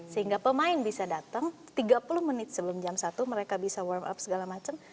sehingga pemain bisa datang tiga puluh menit sebelum jam satu mereka bisa warm up segala macam